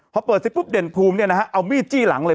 พอเปิดเสร็จปุ๊บเด่นภูมิเอามีดจี้หลังเลย